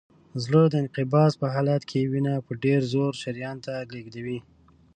زړه د انقباض په حالت کې وینه په ډېر زور شریان ته لیږدوي.